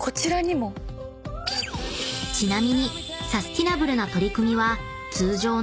［ちなみに］